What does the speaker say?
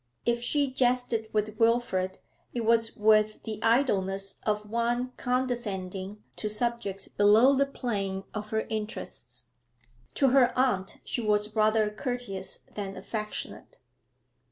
If she jested with Wilfrid it was with the idleness of one condescending to subjects below the plane of her interests. To her aunt she was rather courteous than affectionate.